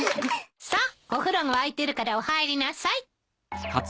さあお風呂が沸いてるからお入りなさい。